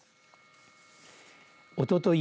おととい